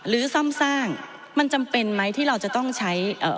ซ่อมสร้างมันจำเป็นไหมที่เราจะต้องใช้เอ่อ